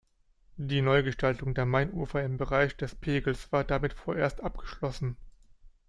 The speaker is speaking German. Die Neugestaltung der Mainufer im Bereich des Pegels war damit vorerst abgeschlossen.